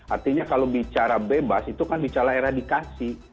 artinya kalau bicara bebas itu kan bicara eradikasi